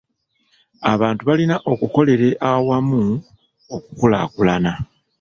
Abantu balina okukolere awamu okukulaakulana.